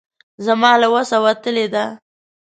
زما له وسه وتلې ده.